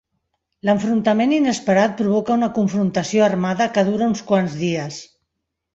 L'enfrontament inesperat provoca una confrontació armada que dura uns quants dies.